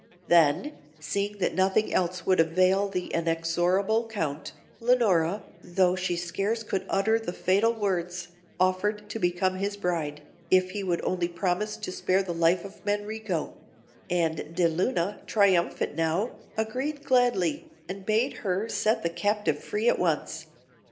Then, seeing that nothing else would avail with the inexorable Count, Leonora, though she scarce could utter the fatal words, offered to become his bride, if he would only promise to spare the life of Manrico; and De Luna, triumphant now, agreed gladly, and bade her set the captive free at once.